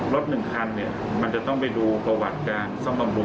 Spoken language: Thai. รถ๑คันมันจะต้องไปดูประวัติการซ่อมบำรุง